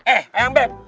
eh ayam beb